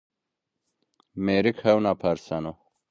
Mêrik hewna perseno